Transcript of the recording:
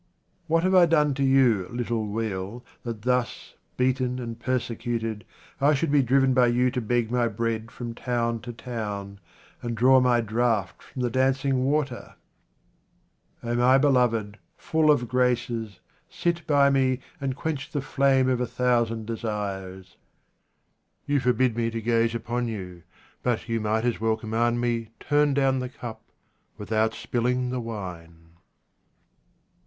What have I done to you, little wheel, that thus, beaten and persecuted, I should be driven by you to beg my bread from town to town and draw my draught from the dancing water ? O MY beloved, full of graces, sit by me and quench the flame of a thousand desires. You forbid me to gaze upon vou, but you might as well command me turn down the cup without spilling the wine.